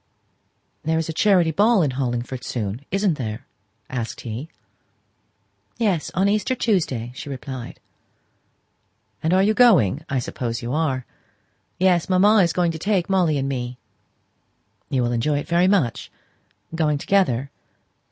"There is a charity ball in Hollingford soon, isn't there?" asked he. "Yes; on Easter Tuesday," she replied. "Are you going? I suppose you are?" "Yes; mamma is going to take Molly and me." "You will enjoy it very much going together?"